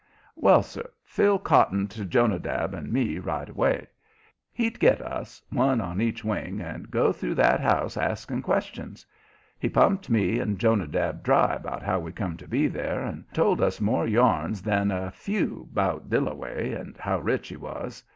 Well, sir, Phil cottoned to Jonadab and me right away. He'd get us, one on each wing, and go through that house asking questions. He pumped me and Jonadab dry about how we come to be there, and told us more yarns than a few 'bout Dillaway, and how rich he was.